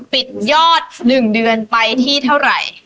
ปิดยอด๑เดือนไปที่เท่าไหร่